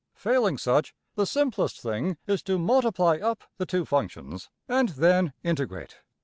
Failing such, the simplest thing is to multiply up the two functions, and then integrate.